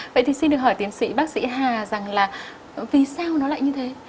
vậy thì xin được hỏi tiến sĩ bác sĩ hà rằng là vì sao nó lại như thế